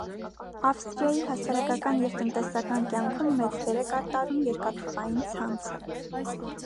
Ավստրիայի հասարակական և տնտեսական կյանքում մեծ դեր է կատարում երկաթուղային ցանցը։